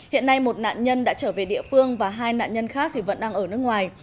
hiện nay một nạn nhân đã trở về địa phương và hai nạn nhân khác vẫn đang ở nước ngoài